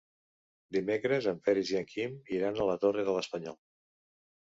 Dimecres en Peris i en Quim iran a la Torre de l'Espanyol.